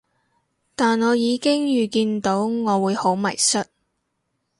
但我已經預見到我會好迷失